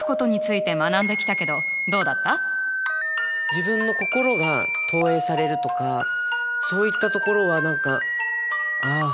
自分の心が投影されるとかそういったところは何かあっ